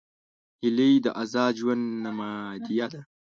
هیلۍ د آزاد ژوند نمادیه ده